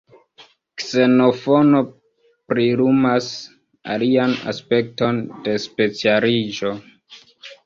Ksenofono prilumas alian aspekton de specialiĝo.